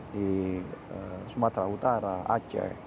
di sumatera utara aceh